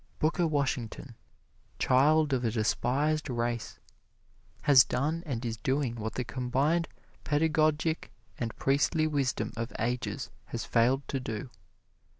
Booker Washington, child of a despised race, has done and is doing what the combined pedagogic and priestly wisdom of ages has failed to do.